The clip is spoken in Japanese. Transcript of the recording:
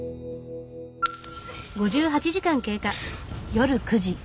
夜９時。